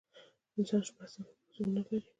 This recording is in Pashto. انسان شپږ څلوېښت کروموزومونه لري